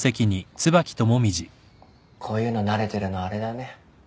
こういうの慣れてるのあれだね。